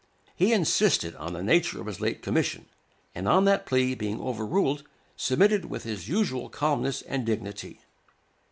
He insisted on the nature of his late commission, and on that plea being overruled, submitted with his usual calmness and dignity.